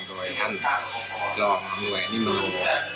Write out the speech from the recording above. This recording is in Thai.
โดยท่านรองอำนวยนิมโลก